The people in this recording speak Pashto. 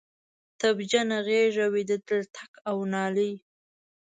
تبجنه غیږ وی د تلتک او نالۍ